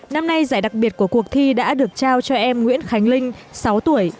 năm nay giải đặc biệt của cuộc thi đã được trao cho em nguyễn khánh linh sáu tuổi